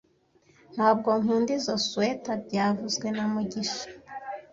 Ntabwo nkunda izoi swater byavuzwe na mugisha